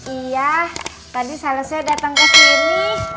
iya tadi salesnya dateng kesini